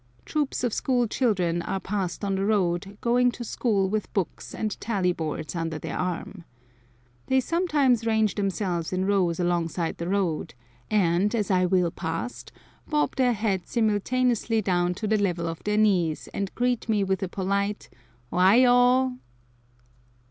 Troops of school children are passed on the road going to school with books and tally boards under their arm. They sometimes range themselves in rows alongside the road, and, as I wheel past, bob their heads simultaneously down to the level of their knees and greet me with a polite "O ai o."